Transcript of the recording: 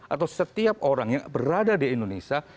atau setiap orang yang berada di indonesia